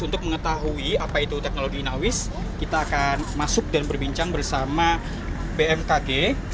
untuk mengetahui apa itu teknologi inawis kita akan masuk dan berbincang bersama bmkg